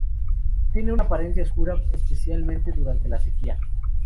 Tiene una apariencia oscura, especialmente durante la sequía.